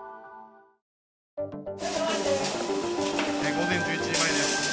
午前１１時前です